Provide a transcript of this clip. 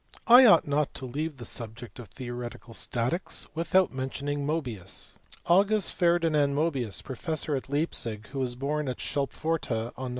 I ought not to leave the subject of theoretical statics without mentioning Mobius. August Ferdinand Mobius, professor at Leipzig, who was born at Schulpforta on Nov.